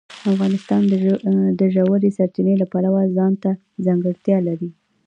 افغانستان د ژورې سرچینې د پلوه ځانته ځانګړتیا لري.